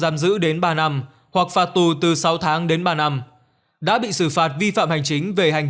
giam giữ đến ba năm hoặc phạt tù từ sáu tháng đến ba năm đã bị xử phạt vi phạm hành chính về hành